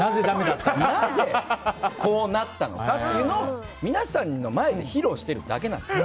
なぜ、こうなったのかっていうのを皆さんの前で披露しているだけなんです。